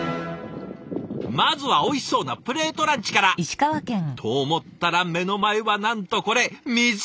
まずはおいしそうなプレートランチから！と思ったら目の前はなんとこれ湖！